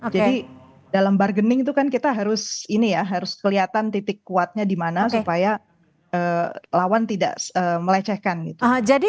jadi dalam bargaining itu kan kita harus ini ya harus kelihatan titik kuatnya di mana supaya lawan tidak melecehkan gitu